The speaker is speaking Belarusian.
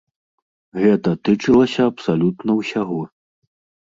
Гэта тычылася абсалютна ўсяго.